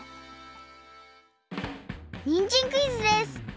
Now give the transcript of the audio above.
にんじんクイズです！